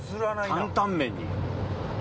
「担々麺」に。